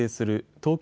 東京